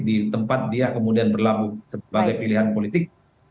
di tempat dia kemudian berlabuh sebagai pilihan politik